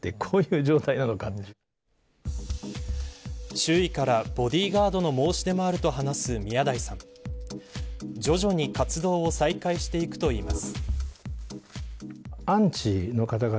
周囲からボディーガードの申し出もあると話す宮台さん徐々に活動を再開していくといいます。